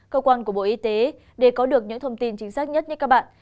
cơ quan của bộ y tế để có được những thông tin chính xác nhất như các bạn